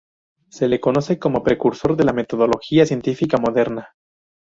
Se le reconoce como "precursor de la metodología científica moderna".